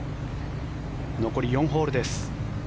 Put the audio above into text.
残り４ホールです。